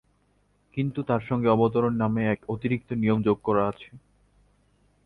কিন্তু তাঁর সঙ্গে অবতরণ নামে এক অতিরিক্ত নিয়ম যোগ করা আছে।